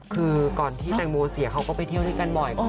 คือก่อนที่แตงโมเสียเขาก็ไปเที่ยวด้วยกันบ่อย